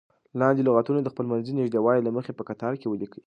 لاندې لغتونه دې د خپلمنځي نږدېوالي له مخې په کتار کې ولیکئ.